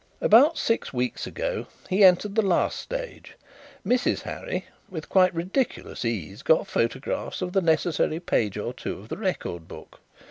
"About six weeks ago he entered the last stage. Mrs. Harry, with quite ridiculous ease, got photographs of the necessary page or two of the record book.